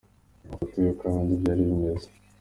Dore amafoto yuko ahandi byari bimeze:.